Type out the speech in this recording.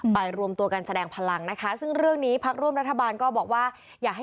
รวมตัวกันแสดงพลังนะคะซึ่งเรื่องนี้พักร่วมรัฐบาลก็บอกว่าอยากให้